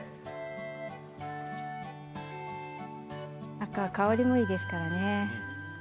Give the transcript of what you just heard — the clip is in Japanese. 赤は香りもいいですからね。